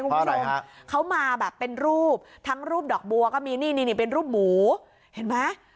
คุณผู้ชมเขามาแบบเป็นรูปทั้งรูปดอกบัวก็มีนี่นี่เป็นรูปหมูเห็นไหม